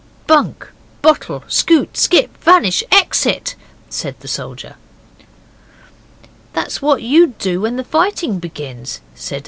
'Bunk, bottle, scoot, skip, vanish, exit,' said the soldier. 'That's what you'd do when the fighting begins,' said H.